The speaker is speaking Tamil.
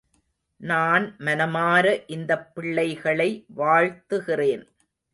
நான் மனமார இந்தப் பிள்ளைகளை வாழ்த்துகிறேன்.